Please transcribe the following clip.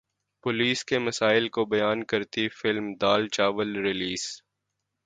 police کے مسائل کو بیان کرتی فلم دال چاول ریلیز